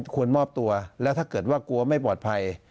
ควรมอบตัวแล้วถ้าเกิดว่ากลัวไม่ปลอดภัย